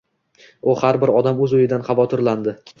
U har bir odam o‘z uyidan xavotirlandi.